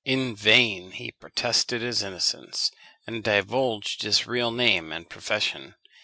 In vain he protested his innocence, and divulged his real name and profession.